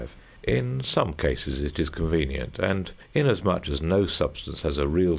In some cases it is convenient, and inasmuch as no substance has a real sp.